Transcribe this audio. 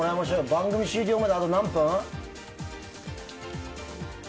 番組終了まであと何分？